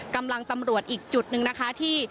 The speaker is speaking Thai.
กำลังตำรวจอีกจุดหนึ่งนะคะที่